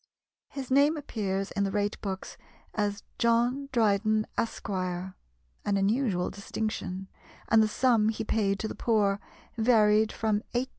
His name appears in the rate books as "John Dryden, Esq." an unusual distinction and the sum he paid to the poor varied from 18s.